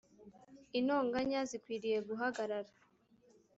intonganya zikwiriye guhagarara.